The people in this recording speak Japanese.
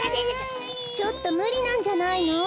ちょっとむりなんじゃないの。